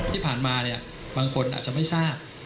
ที่ผ่านมาบางคนอาจจะไม่ทราบ